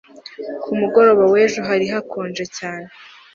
Ku mugoroba wejo hari hakonje cyane